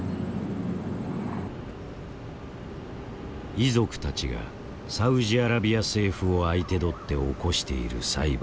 遺族たちがサウジアラビア政府を相手取って起こしている裁判。